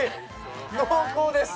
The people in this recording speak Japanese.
濃厚です。